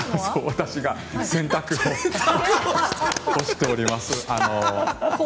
私が洗濯物を干しております。